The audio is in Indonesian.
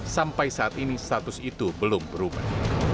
sampai saat ini status itu belum berubah